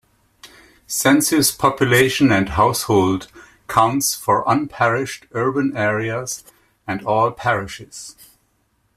"Census population and household counts for unparished urban areas and all parishes".